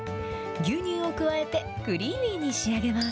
牛乳を加えて、クリーミーに仕上げます。